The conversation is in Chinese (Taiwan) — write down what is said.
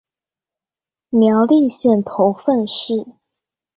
苗栗縣頭份市